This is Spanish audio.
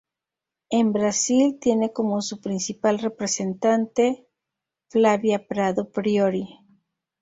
En Brasil tiene como su principal representante Flavia Prado Priori.